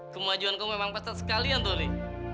kemajuan kamu memang pas sekali ya tony